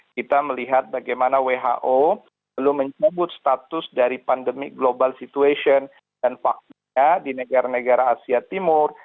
kita melihat bagaimana who belum mencabut status dari pandemi global situation dan vaksinnya di negara negara asia timur